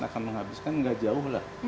akan menghabiskan nggak jauh lah